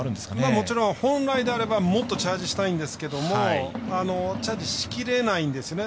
もちろん本来であればもっとチャージしたいんですけどチャージしきれないんですね。